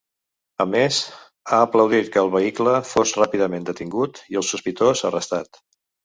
A més, ha aplaudit que el vehicle fos “ràpidament detingut” i el sospitós arrestat.